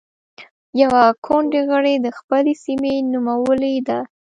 يوه ګوندي غړې د خپلې سيمې نومولې ده.